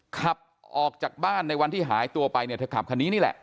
ขับออกจากบ้านในวันที่หายตัวไปเนี่ยเธอขับคันนี้นี่แหละ